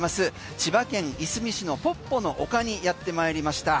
千葉県いすみ市のポッポの丘にやってまいりました。